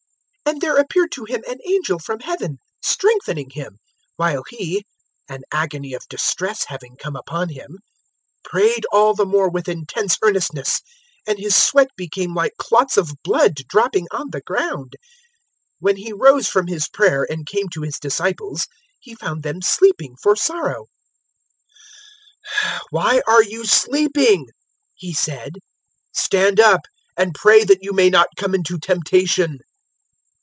022:043 And there appeared to Him an angel from Heaven, strengthening Him; 022:044 while He an agony of distress having come upon Him prayed all the more with intense earnestness, and His sweat became like clots of blood dropping on the ground. 022:045 When He rose from his prayer and came to His disciples, He found them sleeping for sorrow. 022:046 "Why are you sleeping?" He said; "stand up; and pray that you may not come into temptation."